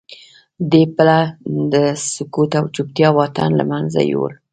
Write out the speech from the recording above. دې پله د سکوت او چوپتیا واټن له منځه یووړ